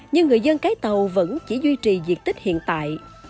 nhưng người dân cái tàu vẫn chỉ duy trì diện tích hiện tại